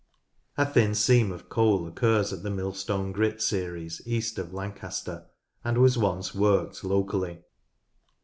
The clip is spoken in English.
A thin seam of coal occurs in the Millstone Grit series east of Lancaster, and was once worked locally.